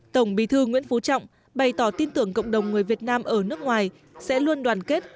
tổng bí thư nguyễn phú trọng bày tỏ tin tưởng cộng đồng người việt nam ở nước ngoài sẽ luôn đoàn kết